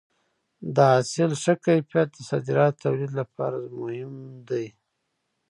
د حاصل ښه کیفیت د صادراتو لپاره مهم دی.